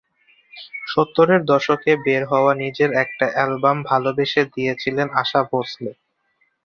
সত্তরের দশকে বের হওয়া নিজের একটা অ্যালবাম ভালোবেসে দিয়েছিলেন আশা ভোঁসলে।